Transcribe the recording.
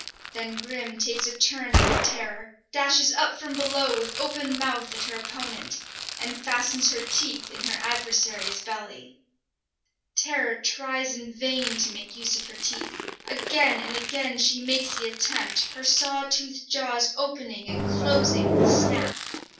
Then Grim takes a turn under Terror, dashes up from below with open mouth at her opponent, and fastens her teeth in her adversary's belly. Terror tries in vain to make use of her teeth. Again and again she makes the attempt, her saw toothed jaws opening and closing with a snap.